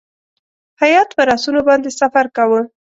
هیات پر آسونو باندې سفر کاوه.